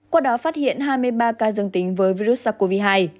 qua đó phát hiện hai mươi ba ca dương tính với virus sars cov hai